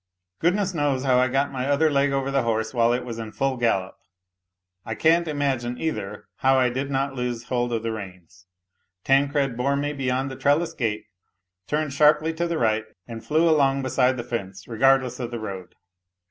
Goodness knows how I got my other leg over the horse while it was in full gallop ; I can't imagine, either, how I did not lose hold of the reins. Tancred bore me beyond the trellis gate, turned sharply to the right and flew along beside the fence regardless of the road.